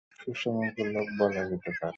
সুষম গোলক বলা যেতে পারে।